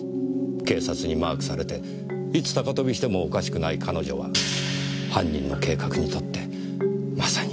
警察にマークされていつ高飛びしてもおかしくない彼女は犯人の計画にとってまさに適役だったのでしょう。